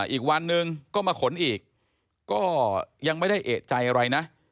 อีกวันหนึ่งก็มาขนอีกก็ยังไม่ได้เอกใจอะไรนะ